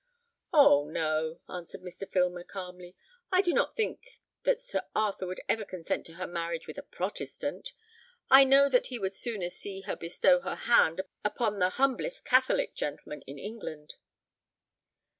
"Oh, no!" answered Mr. Filmer, calmly; "I do not think that Sir Arthur would ever consent to her marriage with a Protestant. I know that he would sooner see her bestow her hand upon the humblest Catholic gentleman in England."